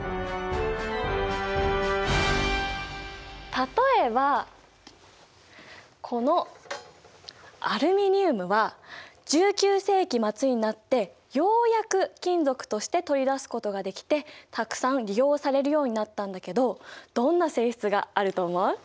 例えばこのアルミニウムは１９世紀末になってようやく金属として取り出すことができてたくさん利用されるようになったんだけどどんな性質があると思う？